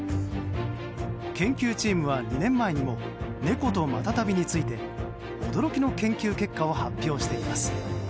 研究チームは２年前にも猫とマタタビについて驚きの研究結果を発表しています。